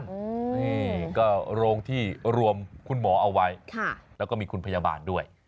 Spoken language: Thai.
นี่ก็โรงที่รวมคุณหมอเอาไว้แล้วก็มีคุณพยาบาลด้วย